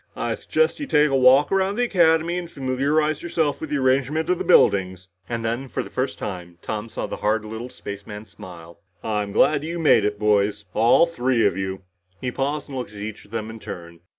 I suggest you take a walk around the Academy and familiarize yourselves with the arrangement of the buildings." And then, for the first time, Tom saw the hard little spaceman smile. "I'm glad you made it, boys. All three of you." He paused and looked at each of them in turn.